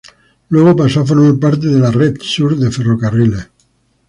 Luego pasó a formar parte de la Red Sur de Ferrocarriles.